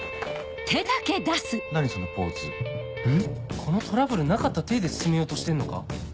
このトラブルなかった体で進めようとしてんのか？